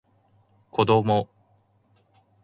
子供